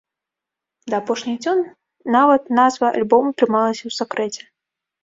Да апошніх дзён нават назва альбому трымалася ў сакрэце.